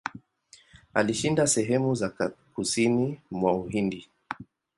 Alishinda sehemu za kusini mwa Uhindi.